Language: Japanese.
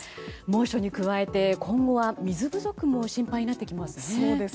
猛暑に加えて今後は水不足も心配になってきますね。